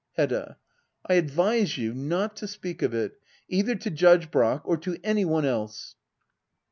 Hedda. I advise you not to speak of it — either to Judge Brack, or to any one else.